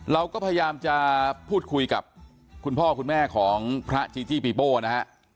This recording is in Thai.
เราก็พยายามจะพูดคุยกับคุณพ่อคุณแม่ของพระจีจี้ปีโป้นะฮะ